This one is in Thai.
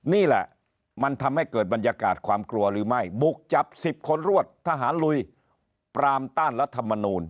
นี่แหละมันทำให้เกิดบรรยากาศความกลัวหรือไม่บุกจับ๑๐คนรวดทหารลุยปรามต้านรัฐมนูล